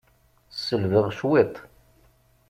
Selbeɣ cwiṭ.